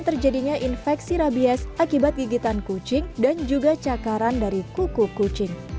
terjadinya infeksi rabies akibat gigitan kucing dan juga cakaran dari kuku kucing